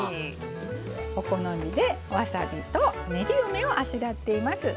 お好みでわさびと練り梅をあしらっています。